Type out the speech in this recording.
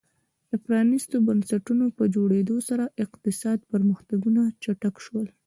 د پرانیستو بنسټونو په جوړېدو سره اقتصادي پرمختګونه چټک شول.